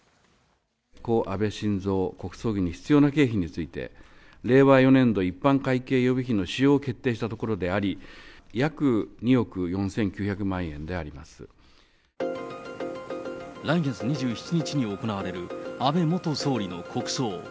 故・安倍晋三国葬儀に必要な経費について、令和４年度一般会計予備費の使用を決定したところであり、約２億来月２７日に行われる安倍元総理の国葬。